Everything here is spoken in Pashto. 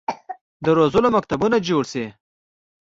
د روزلو مکتبونه جوړ شي.